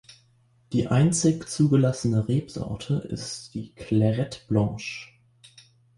Die einzig zugelassene Rebsorte ist die Clairette Blanche.